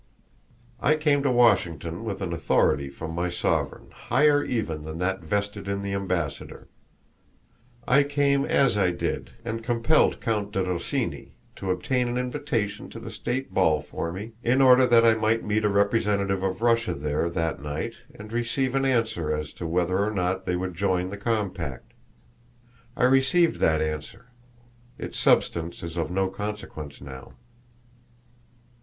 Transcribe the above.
I came to Washington with an authority from my sovereign higher even than that vested in the ambassador; I came as I did and compelled Count di Rosini to obtain an invitation to the state ball for me in order that I might meet a representative of Russia there that night and receive an answer as to whether or not they would join the compact. I received that answer; its substance is of no consequence now.